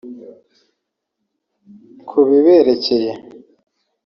Kubiberekeye